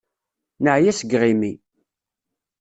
Neεya seg yiɣimi.